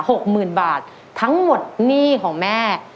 หกหมื่นบาททั้งหมดหนี้ของแม่